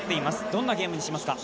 どんなゲームにしますか？